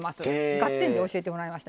「ガッテン！」で教えてもらいました。